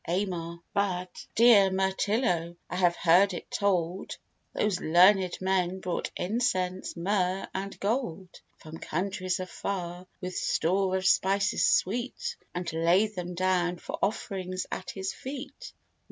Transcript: AMAR. But, dear Mirtillo, I have heard it told, Those learned men brought incense, myrrh, and gold, From countries far, with store of spices sweet, And laid them down for offerings at his feet.